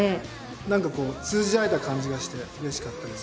何かこう通じ合えた感じがしてうれしかったです。